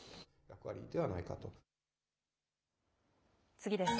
次です。